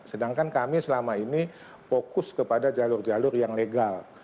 sedangkan kami selama ini fokus kepada jalur jalur yang legal